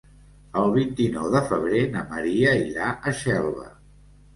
El vint-i-nou de febrer na Maria irà a Xelva.